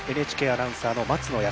ＮＨＫアナウンサーの松野靖彦。